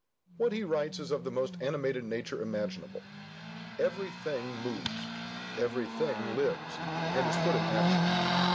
What he writes is of the most animated nature imaginable; every thing moves, every thing lives, and is put in action.